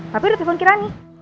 tapi udah telfon kirani